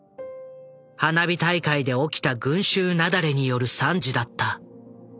花火大会で起きた群集雪崩による惨事だった。